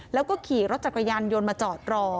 แล้วก็ขี่รถจักรยานยนต์มาจอดรอ